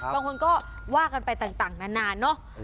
บางคนก็ว่ากันไปต่างนานเนอะ